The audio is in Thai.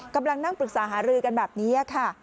กำลังนั่งปรึกษาหารือกันแบบนี้ค่ะ